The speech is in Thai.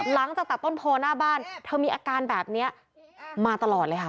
หลังจากตัดต้นโพหน้าบ้านเธอมีอาการแบบนี้มาตลอดเลยค่ะ